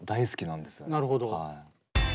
なるほど。